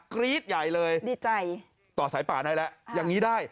ครีชใหญ่เลยดีใจต่อสายปากได้ละอย่างงี้ได้